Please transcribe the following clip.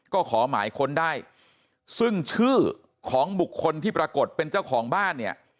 ก็ขอหมายค้นได้ซึ่งชื่อของบุคคลที่ปรากฏเป็นเจ้าของบ้านเนี่ย